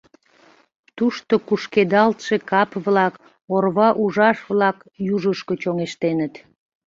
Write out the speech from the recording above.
Тушто кушкедалтше кап-влак, орва ужаш-влак южышко чоҥештеныт.